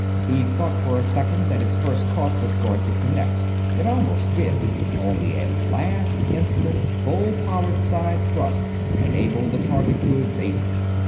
He thought for a second that his first torp was going to connect. It almost did only a last instant, full powered side thrust enabled the target to evade it.